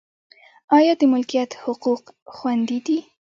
آیا د ملکیت حقوق خوندي دي؟